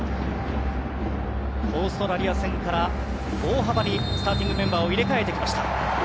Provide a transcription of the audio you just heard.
オーストラリア戦から大幅にスターティングメンバーを入れ替えてきました。